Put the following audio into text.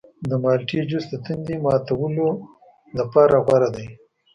د مالټې جوس د تندې ماته کولو لپاره غوره دی.